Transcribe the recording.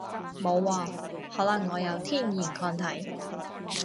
冇喎，可能我有天然抗體